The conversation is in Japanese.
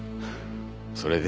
それで？